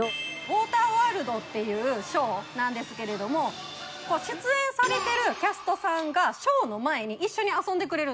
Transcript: ウォーターワールドっていうショーなんですけれども出演されてるキャストさんがショーの前に一緒に遊んでくれるんです。